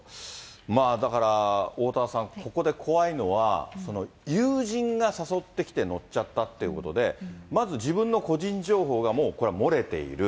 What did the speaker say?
まあ、だから、おおたわさん、ここで怖いのは、友人が誘ってきて乗っちゃったということで、まず自分の個人情報が、もう、これは漏れている。